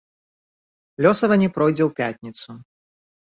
Лёсаванне пройдзе ў пятніцу.